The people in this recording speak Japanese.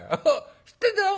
知ってんだろ？」。